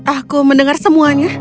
aku mendengar semuanya